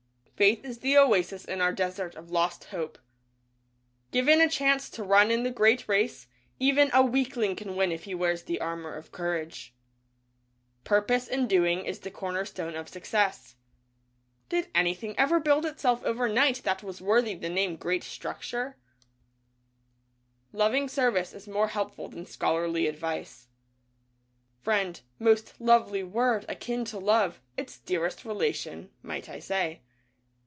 Faith is the oasis in our Desert of Lost Hope. Given a chance to run in the Great Race, even a weakling can win if he wears the Armor of Courage. Purpose in doing is the cornerstone of success. Did anything ever build itself over night that was worthy the name Great Structure? DAY DREAMS Loving service is more helpful than scholarly advice. Friend — Most lovely word, akin to love, its dearest relation — might I say.